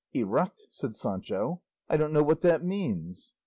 "Eruct!" said Sancho; "I don't know what that means."